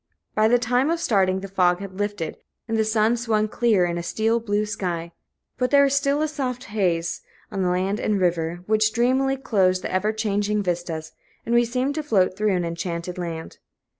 By the time of starting, the fog had lifted, and the sun swung clear in a steel blue sky; but there was still a soft haze on land and river, which dreamily closed the ever changing vistas, and we seemed to float through an enchanted land.